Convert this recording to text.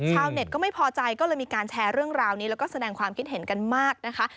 ชาวเน็ตก็ไม่พอใจก็เลยมีการแชร์เรื่องราวนี้แล้วก็แสดงความคิดเห็นกันมากนะคะ